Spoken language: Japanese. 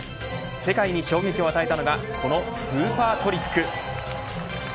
世界に衝撃を与えたのがこのスーパートリック